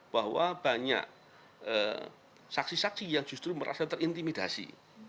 bahwa banyak saksi saksi yang justru merasa terintimidasi